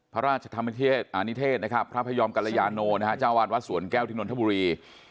พระราชธรรมนิเทศนะครับพระพยอมกัลยาโนนะฮะเจ้าวาดวัดสวนแก้วที่นนทบุรี